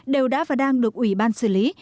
đều đã và đang được ủy ban xử lý